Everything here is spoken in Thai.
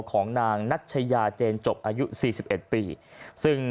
ของนางนัชยาเจนจบอายุ๔๑ปีซึ่ง